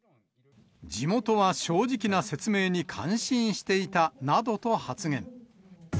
地元は正直な説明に感心していたなどと発言。